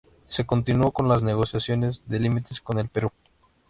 Se continuo las negociaciones de límites con el Perú.